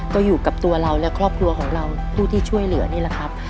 ก็อยู่กับตัวเราและครอบครัวของเราผู้ที่ช่วยเหลือนี่แหละครับ